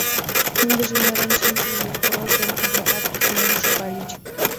Ындыже нерен шинчыше прокурор ден адвокатат кынел шогальыч.